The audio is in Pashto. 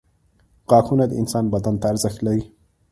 • غاښونه د انسان بدن ته ارزښت لري.